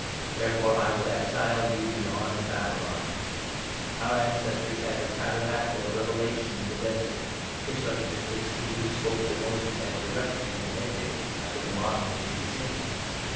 Therefore I will exile you beyond Babylon.' Our ancestors had the Tabernacle of Revelation in the 44 Desert, constructed, just as he who spoke to Moses had directed him to make it, after the model which he had seen.